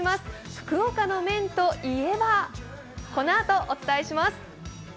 福岡の麺といえばこのあと、お伝えします。